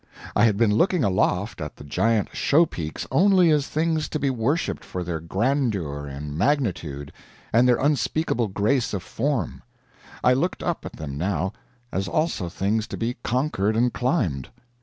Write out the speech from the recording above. I had been looking aloft at the giant show peaks only as things to be worshiped for their grandeur and magnitude, and their unspeakable grace of form; I looked up at them now, as also things to be conquered and climbed.